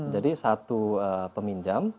jadi satu peminjam